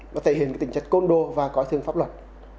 nó thể hiện tình trạng côn đô và có thương pháp luật